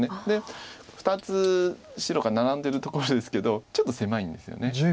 で２つ白がナラんでるところですけどちょっと狭いんですよね。